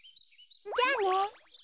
じゃあね。